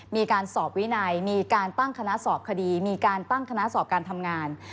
มีการสอบวินัยมีการตั้งคณะสอบคดีมีการตั้งคณะสอบการทำงาน